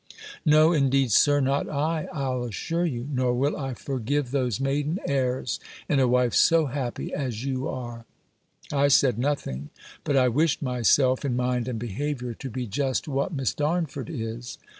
"No, indeed, Sir, not I, I'll assure you; nor will I forgive those maiden airs in a wife so happy as you are." I said nothing. But I wished myself, in mind and behaviour, to be just what Miss Darnford is.